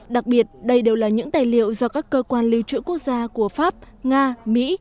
đặc biệt đây đều là những tài liệu do các cơ quan lưu trữ quốc gia của pháp nga mỹ